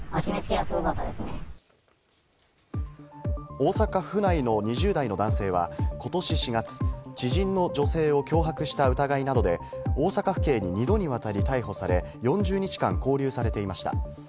大阪府内の２０代の男性はことし４月、知人の女性を脅迫した疑いなどで大阪府警に２度にわたり逮捕され、４０日間、勾留されていました。